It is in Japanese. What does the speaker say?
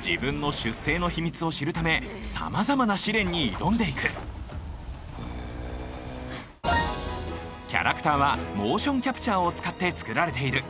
自分の出生の秘密を知るためさまざまな試練に挑んでいくキャラクターはモーションキャプチャーを使って作られている。